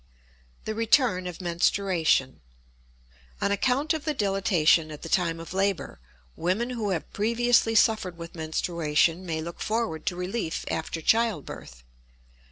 THE RETURN OF MENSTRUATION. On account of the dilatation at the time of labor women who have previously suffered with menstruation may look forward to relief after child birth.